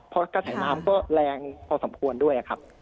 เพราะกระแสน้ำก็แรงพอสมควรด้วยครับ